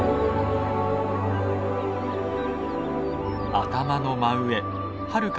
頭の真上はるか